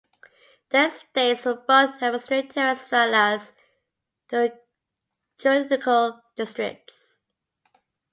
The estates were both administrative as well as juridical districts.